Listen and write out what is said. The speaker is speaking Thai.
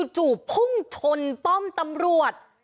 จู่พุ่งชนป้อมตำรวจ